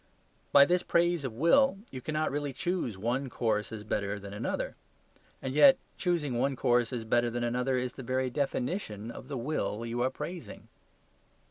By this praise of will you cannot really choose one course as better than another. And yet choosing one course as better than another is the very definition of the will you are praising.